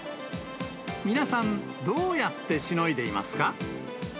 皆さん、どうやってしのいでいますか。